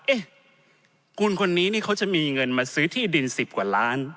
เอ๊ะคุณคนนี้นี่เขาจะมีเงินมาซื้อที่ดิน๑๐กว่าล้าน